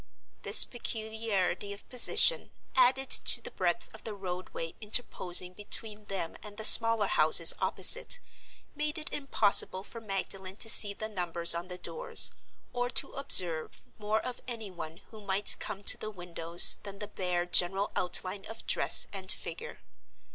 This peculiarity of position, added to the breadth of the roadway interposing between them and the smaller houses opposite, made it impossible for Magdalen to see the numbers on the doors, or to observe more of any one who might come to the windows than the bare general outline of dress and figure.